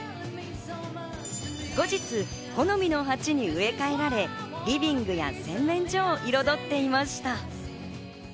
後日、好みの鉢に植え替えられ、リビングや洗面所を彩っていました。